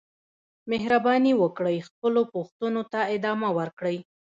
مهرباني وکړئ خپلو پوښتنو ته ادامه ورکړئ.